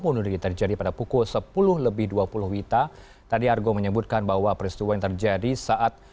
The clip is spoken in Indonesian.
bunuh diri terjadi pada pukul sepuluh lebih dua puluh wita tadi argo menyebutkan bahwa peristiwa yang terjadi saat